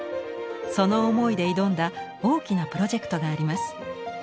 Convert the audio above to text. その思いで挑んだ大きなプロジェクトがあります。